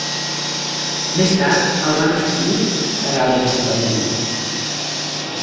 Més tard, el van escollir per a l'ajuntament.